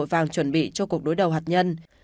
tôi không chuẩn bị cho cuộc đối đầu hạt nhân